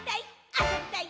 あそびたい！」